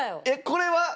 えっこれは？